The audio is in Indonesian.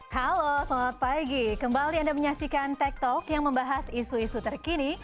halo selamat pagi kembali anda menyaksikan tech talk yang membahas isu isu terkini